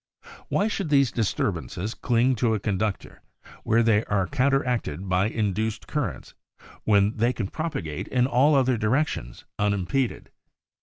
Why should these disturbances cling to a conductor where they are counteracted by induced cur rents, when they can propagate in all other directions unimpeded?